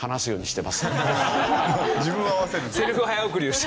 自分を合わせるんだ。